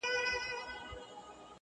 چي شرمېږي له سرونو بګړۍ ورو ورو!